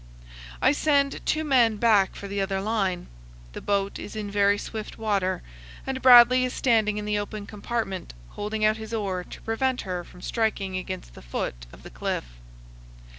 I send two men back for the other line. The boat is in very swift water, and Bradley is standing in the open compartment, holding out his oar to prevent her from striking against the foot of the cliff.